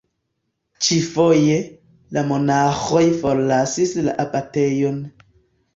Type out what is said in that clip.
Ĉi-foje, la monaĥoj forlasis la abatejon.